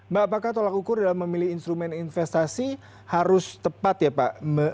mbak apakah tolak ukur dalam memilih instrumen investasi harus tepat ya pak